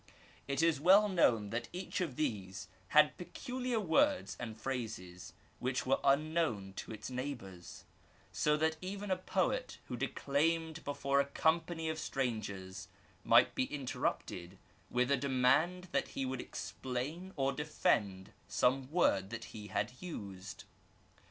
It is well known that each of these had peculiar words and phrases which were unknown to its neighbours, so that even a poet who declaimed before a company of strangers might be interrupted with a demand that he would explain or defend some word that he had used.